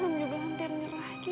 rum juga hampir nyerah ki